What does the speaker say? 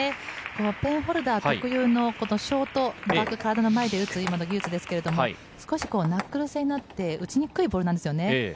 ペンホルダー特有のショート、体の前で打つ技術ですけど、少しナックル性があって、打ちにくいボールなんですよね。